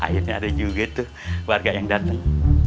akhirnya ada juga itu warga yang datang